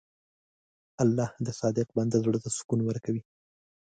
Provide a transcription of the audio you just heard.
الله د صادق بنده زړه ته سکون ورکوي.